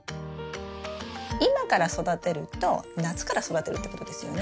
今から育てると夏から育てるってことですよね。